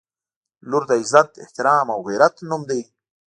• لور د عزت، احترام او غیرت نوم دی.